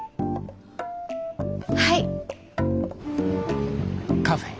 はい！